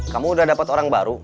kamu udah dapat orang baru